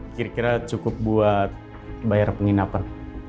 kira kira cukup buat bayar penginapan